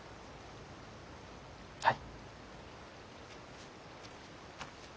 はい。